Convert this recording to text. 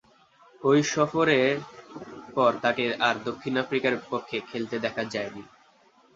ঐ সফরের পর তাকে আর দক্ষিণ আফ্রিকার পক্ষে খেলতে দেখা যায়নি।